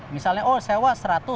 misalnya oh sewa seratus